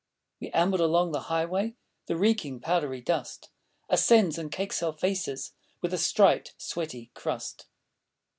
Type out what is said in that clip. We amble along the highway; The reeking, powdery dust Ascends and cakes our faces With a striped, sweaty crust.